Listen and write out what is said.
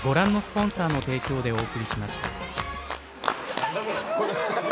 何だこれ。